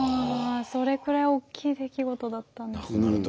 ああそれくらい大きい出来事だったんですね。